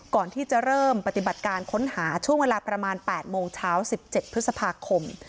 ก่อนที่จะเริ่มปฏิบัติการค้นหาช่วงเวลาประมาณ๘โมงเช้า๑๗พฤษภาคม